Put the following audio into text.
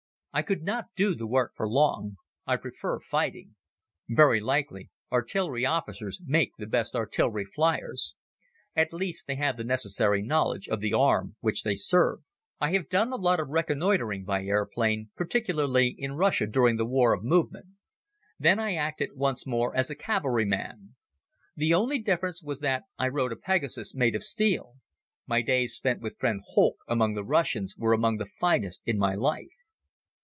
I could not do the work for long. I prefer fighting. Very likely, artillery officers make the best artillery fliers. At least, they have the necessary knowledge of the arm which they serve. I have done a lot of reconnoitering by aeroplane, particularly in Russia during the war of movement. Then I acted once more as a cavalryman. The only difference was that I rode a Pegasus made of steel. My days spent with friend Holck among the Russians were among the finest in my life.